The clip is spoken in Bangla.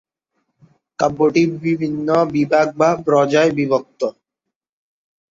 কাব্যটি বিভিন্ন বিভাগ বা ব্রজ্যায় বিভক্ত।